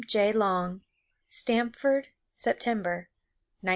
J. LONG._ _Stamford, September, 1903.